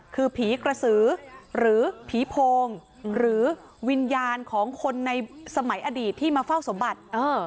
คือผีกระสือหรือผีโพงหรือวิญญาณของคนในสมัยอดีตที่มาเฝ้าสมบัติ